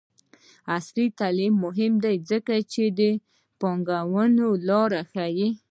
عصري تعلیم مهم دی ځکه چې د پانګونې لارې ښيي.